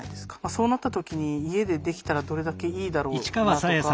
そうなった時に家でできたらどれだけいいだろうなとか。